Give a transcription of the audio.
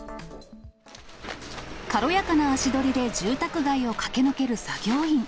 軽やかな足取りで住宅街を駆け抜ける作業員。